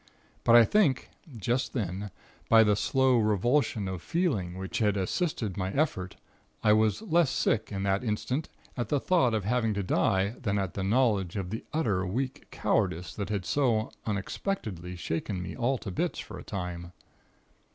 But I think, just then, by the slow revulsion of feeling which had assisted my effort, I was less sick, in that instant, at the thought of having to die, than at the knowledge of the utter weak cowardice that had so unexpectedly shaken me all to bits, for a time.